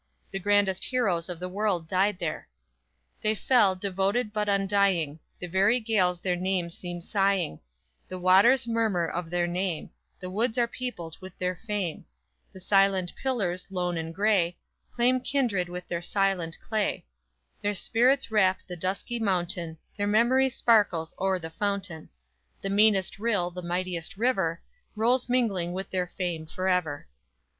The grandest heroes of the world died here. _"They fell, devoted, but undying; The very gales their names seem sighing; The waters murmur of their name; The woods are peopled with their fame; The silent pillars, lone and gray, Claim kindred with their silent clay; Their spirits wrap the dusky mountain, Their memory sparkles o'er the fountain; The meanest rill, the mightiest river Rolls mingling with their fame forever!"